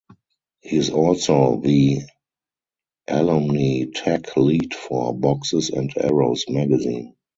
He is also the Alumni Tech Lead for "Boxes and Arrows" magazine.